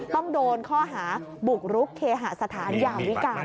ต้องโดนข้อหาบุกรุกเคหสถานยามวิการ